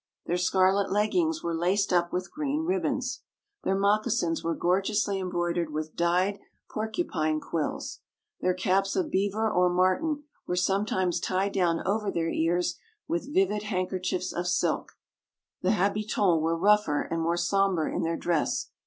Their scarlet leggings were laced up with green ribbons. Their moccasins were gorgeously embroidered with dyed porcupine quills. Their caps of beaver or martin were sometimes tied down over their ears with vivid handkerchiefs of silk. The habitants were rougher and more sombre in their dress.